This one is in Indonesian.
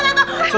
tenang dulu ya